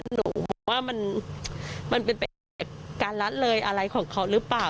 หนูบอกว่ามันเป็นไปการละเลยอะไรของเขาหรือเปล่า